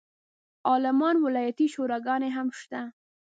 عالمانو ولایتي شوراګانې هم شته.